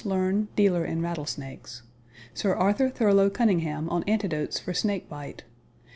LEARN, DEALER IN RATTLESNAKES. SIR ARTHUR THURLOW CUNYNGHAME ON ANTIDOTES FOR SNAKE BITE.